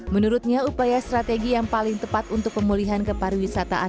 menurutnya upaya strategi yang paling tepat untuk pemulihan kepariwisataan